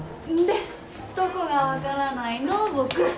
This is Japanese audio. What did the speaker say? んでどこが分からないの？